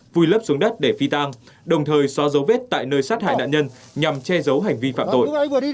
vùi lấp xuống đất để phi tang đồng thời xóa dấu vết tại nơi sát hại nạn nhân nhằm che giấu hành vi phạm tội